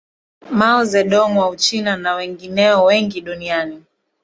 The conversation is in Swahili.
Mao ze Dong wa Uchina na wengineo wengi duniani